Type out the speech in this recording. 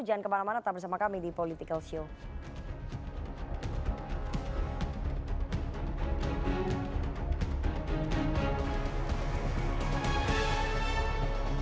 jangan kemana mana tetap bersama kami di political show